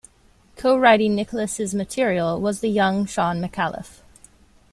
Co-writing Nicholas's material was the young Shaun Micallef.